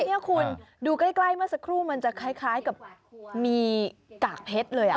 อันนี้คุณดูใกล้มาสักครู่มันจะคล้ายกับมีกากเพชรเลยอ่ะ